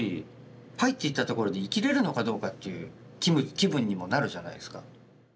入っていったところで生きれるのかどうかっていう気分にもなるじゃないですか。